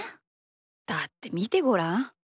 だってみてごらん。